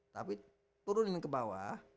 tapi turunin ke bawah